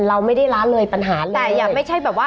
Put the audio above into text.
เราไม่ได้ละเลยปัญหาเลยแต่อย่าไม่ใช่แบบว่า